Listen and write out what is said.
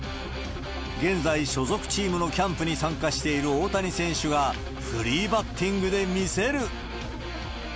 現在、所属チームのキャンプに参加している大谷選手がフリーバッティングで見せる。